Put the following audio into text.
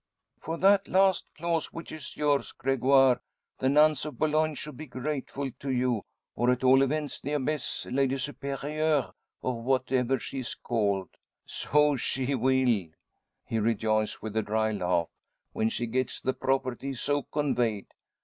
"For that last clause, which is yours, Gregoire, the nuns of Boulogne should be grateful to you, or at all events, the abbess, Lady Superior, or whatever she's called." "So she will," he rejoins with a dry laugh, "when she gets the property so conveyed.